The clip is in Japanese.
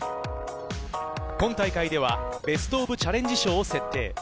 今大会ではベストオブチャレンジ賞を設定。